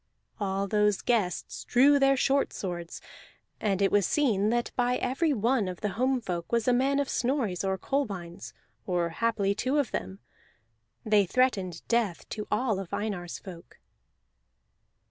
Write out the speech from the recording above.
All those guests drew their short swords; and it was seen that by every one of the homefolk was a man of Snorri's or Kolbein's, or haply two of them. They threatened death to all of Einar's folk.